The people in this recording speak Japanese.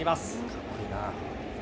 かっこいいな。